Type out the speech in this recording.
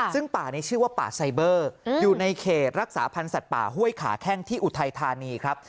ซึ่งป่านี้ชื่อว่าป่าไซเบอร์อยู่ในเขตรักษาพันธ์สัตว์ป่าห้วยขาแข้งที่อุทัยธานีครับ